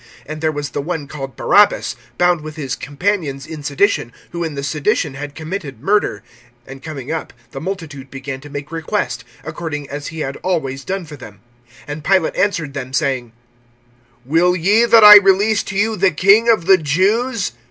(7)And there was the one called Barabbas, bound with his companions in sedition, who in the sedition had committed murder. (8)And coming up, the multitude began to make request, according as he had always done for them. (9)And Pilate answered them, saying: Will ye that I release to you the King of the Jews?